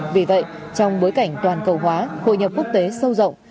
vì vậy trong bối cảnh toàn cầu hóa hội nhập quốc tế sâu rộng